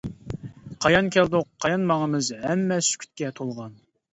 -قايان كەلدۇق؟ . -قايان ماڭىمىز؟ . ھەممە سۈكۈتكە تولغان.